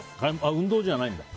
運動じゃないんだ。